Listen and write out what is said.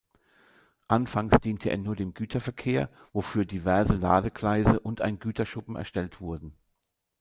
Anfangs diente er nur dem Güterverkehr, wofür diverse Ladegleise und ein Güterschuppen erstellt wurden.